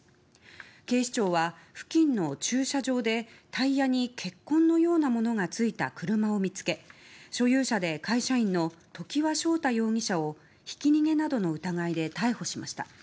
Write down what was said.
警視庁は、付近の駐車場でタイヤに血痕のようなものがついた車を見つけ所有者で会社員の常盤翔太容疑者をひき逃げなどの疑いで逮捕しました。